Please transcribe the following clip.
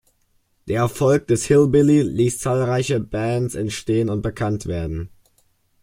Der Erfolg des Hillbilly ließ zahlreiche Bands entstehen und bekannt werden.